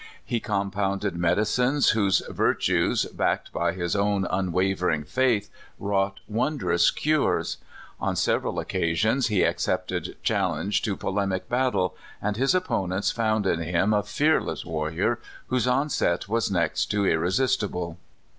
He compounded medicines whose vir tues, backed by his own unwavering faith, wrought wondrous cures. On several occasions he accepted challenge to polemic battle, and his opponents found in him a fearless warrior, whose onset was next to irresistible.